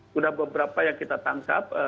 sudah beberapa yang kita tangkap